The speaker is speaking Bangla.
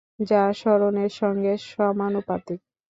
যা সরণের সঙ্গে সমানুপাতিক।